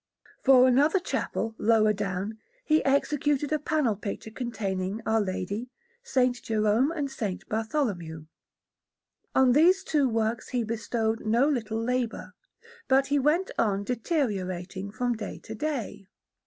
For another chapel, lower down, he executed a panel picture containing Our Lady, S. Jerome, and S. Bartholomew. On these two works he bestowed no little labour; but he went on deteriorating from day to day.